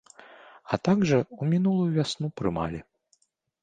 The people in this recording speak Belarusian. А так жа ў мінулую вясну прымалі.